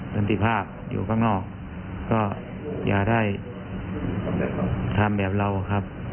สันติภาพอยู่ข้างนอกก็อย่าได้ทำแบบเราครับ